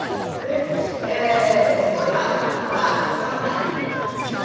えこれは神田はお玉が池でございます。